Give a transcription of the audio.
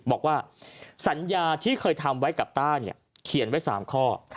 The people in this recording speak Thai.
บอกว่าสัญญาที่เคยทำไว้กับต้าเนี่ยเขียนไว้๓ข้อ